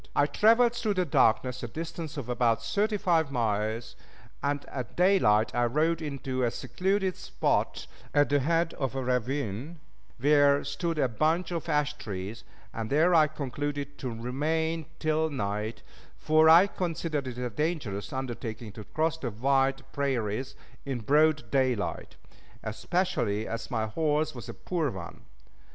I traveled through the darkness a distance of about thirty five miles, and at daylight I rode into a secluded spot at the head of a ravine where stood a bunch of ash trees, and there I concluded to remain till night, for I considered it a dangerous undertaking to cross the wide prairies in broad daylight especially as my horse was a poor one.